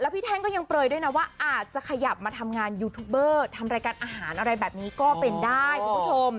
พี่แท่งก็ยังเปลยด้วยนะว่าอาจจะขยับมาทำงานยูทูบเบอร์ทำรายการอาหารอะไรแบบนี้ก็เป็นได้คุณผู้ชม